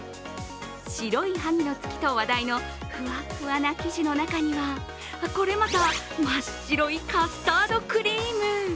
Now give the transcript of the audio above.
白い萩の月と話題のふわっふわな生地の中にはこれまた、真っ白いカスタードクリーム。